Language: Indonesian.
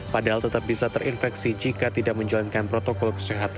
padahal tetap bisa terinfeksi jika tidak menjalankan protokol kesehatan